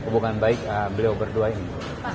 hubungan baik beliau berdua ini